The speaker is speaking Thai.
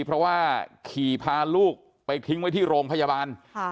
เพราะว่าขี่พาลูกไปทิ้งไว้ที่โรงพยาบาล